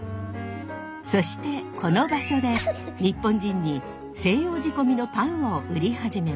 そしてこの場所で日本人に西洋仕込みのパンを売り始めました。